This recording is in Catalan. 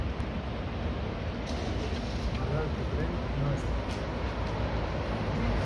Malalt que pren no es mor.